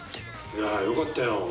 いやよかったよ。